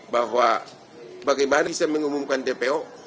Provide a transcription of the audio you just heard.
bahwa bagaimana saya mengumumkan dpo